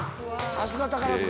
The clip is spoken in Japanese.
さすが宝塚。